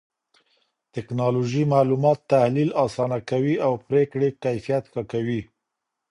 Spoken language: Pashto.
ټکنالوژي معلومات تحليل آسانه کوي او پرېکړې کيفيت ښه کوي.